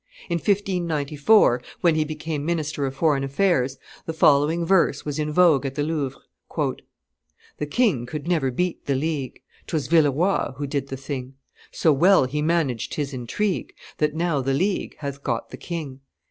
In 1594, when he became minister of foreign affairs, the following verse was in vogue at the Louvre: "The king could never beat the League; 'Twas Villeroi who did the thing; So well he managed his intrigue, That now the League hath got the king."